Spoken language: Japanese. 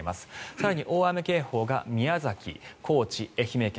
更に大雨警報が宮崎、高知、愛媛県。